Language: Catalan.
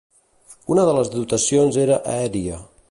Una de les dotacions era aèria.